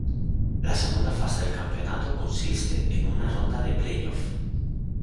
La segunda fase del campeonato consiste en una ronda de play-off.